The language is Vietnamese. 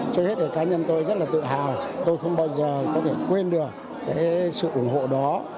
trước hết là cá nhân tôi rất là tự hào tôi không bao giờ có thể quên được cái sự ủng hộ đó